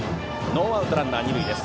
ノーアウトランナー、二塁です。